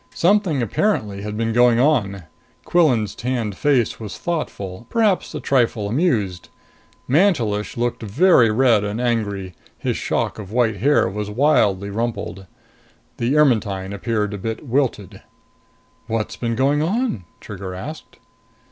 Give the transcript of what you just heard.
Something apparently had been going on. Quillan's tanned face was thoughtful, perhaps a trifle amused. Mantelish looked very red and angry. His shock of white hair was wildly rumpled. The Ermetyne appeared a bit wilted. "What's been going on?" Trigger asked.